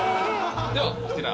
ではこちら。